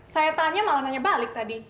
saya tanya malah nanya balik tadi